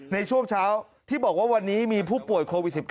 ในช่วงเช้าที่บอกว่าวันนี้มีผู้ป่วยโควิด๑๙